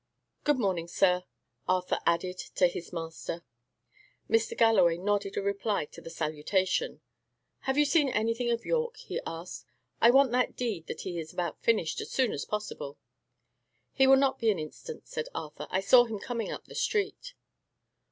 "Good morning, sir," Arthur added, to his master. Mr. Galloway nodded a reply to the salutation. "Have you seen anything of Yorke?" he asked. "I want that deed that he's about finished as soon as possible." "He will not be an instant," said Arthur. "I saw him coming up the street."